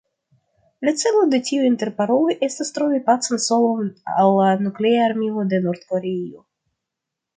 La celo de tiuj interparoloj estas trovi pacan solvon al Nuklea Armilo de Nord-Koreio.